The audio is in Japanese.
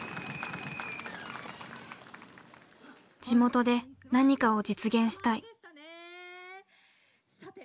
地元で何かを実現したい。